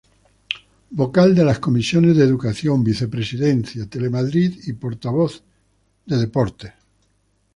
Vocal de las comisiones de Educación, Vicepresidencia, Telemadrid y portavoz de Deportes.